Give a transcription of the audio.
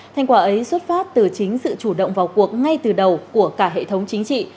thành quả ấy xuất phát từ chính sự chủ động vào cuộc ngay từ đầu của cả hệ thống chính trị